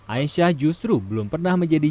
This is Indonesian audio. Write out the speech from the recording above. aisyah justru belum pernah menjadi